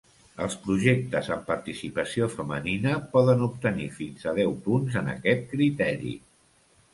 Els projectes amb participació femenina poden obtenir fins a deu punts en aquest criteri.